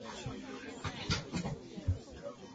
苏茂逃到下邳郡和董宪合流。